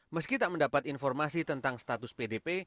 meski tak mendapat informasi tentang status pdp